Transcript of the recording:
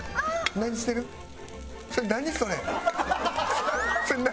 何してる？何？